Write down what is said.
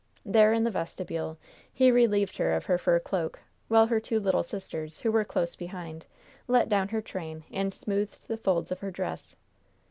There, in the vestibule, he relieved her of her fur cloak, while her two little sisters, who were close behind, let down her train and smoothed the folds of her dress.